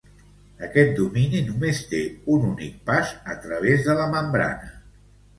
Aquest domini només té un únic pas a través de la membrana.